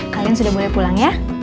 kalian sudah mulai pulang ya